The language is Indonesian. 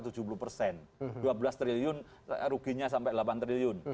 dua belas triliun ruginya sampai delapan triliun